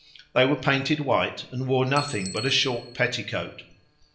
They were painted white and wore nothing but a short petticoat.